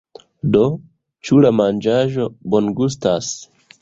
Do, ĉu la manĝaĵo bongustas?